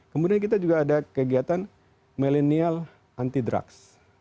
kemudian kita juga ada kegiatan millennial anti drugs